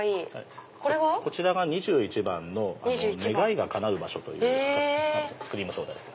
２１番の「願いが叶う場所」というクリームソーダですね。